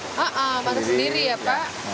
iya masak sendiri ya pak